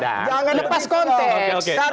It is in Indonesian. jangan lepas konteks